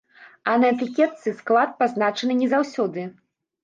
А на этыкетцы склад пазначаны не заўсёды.